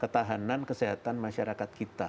ketahanan kesehatan masyarakat kita